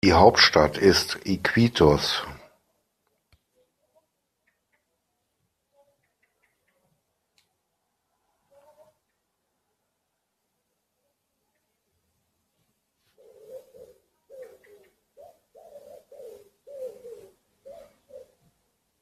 Die Hauptstadt ist Iquitos.